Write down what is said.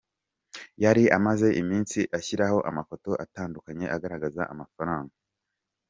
yari amaze iminsi ashyiraho amafoto atandukanye agaragaza amafaranga.